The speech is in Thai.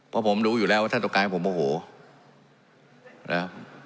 เพราะผมรู้อยู่แล้วว่าท่านต้องการให้ผมโมโหนะ